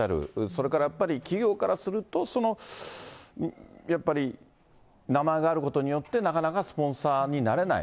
それからやっぱり企業からすると、やっぱり、名前があることによって、なかなかスポンサーになれない。